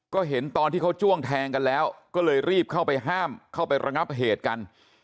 ก็เห็นตอนที่เขาจ้วงแทงกันแล้วก็เลยรีบเข้าไปห้ามเข้าไประงับเหตุกัน